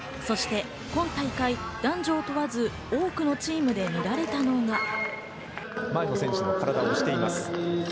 そして今大会、男女を問わず、多くのチームで見られたのは。